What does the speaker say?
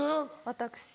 私？